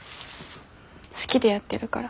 好きでやってるから。